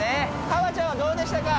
川ちゃんはどうでしたか？